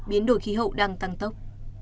biến đổi khí hậu đang tăng tốc